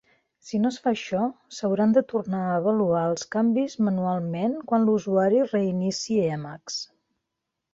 Si no es fa això, s'hauran de tornar a avaluar els canvis manualment quan l'usuari reinicii Emacs.